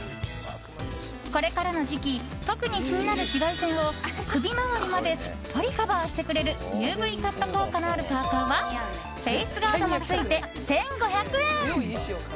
これからの時期特に気になる紫外線を首回りまですっぽりカバーしてくれるＵＶカット効果のあるパーカはフェースガードもついて１５００円。